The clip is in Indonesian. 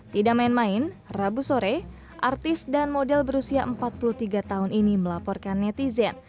tidak main main rabu sore artis dan model berusia empat puluh tiga tahun ini melaporkan netizen